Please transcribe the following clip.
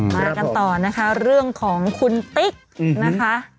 มากันต่อนะคะเรื่องของคุณติ๊กนะคะ